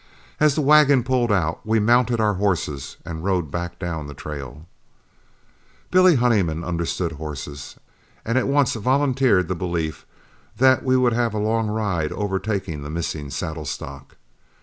As the wagon pulled out, we mounted our horses and rode back down the trail. Billy Honeyman understood horses, and at once volunteered the belief that we would have a long ride overtaking the missing saddle stock.